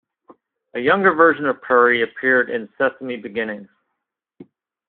A younger version of Prairie appeared in "Sesame Beginnings".